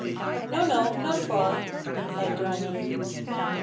_] "No, no! not far," replied the woman.